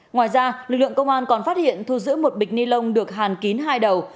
ngoài ra lực lượng công an còn phát hiện thu giữ một bịch ni lông được hàn kín hai đầu